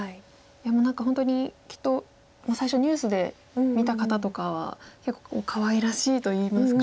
いやもう何か本当にきっと最初ニュースで見た方とかは結構かわいらしいといいますか。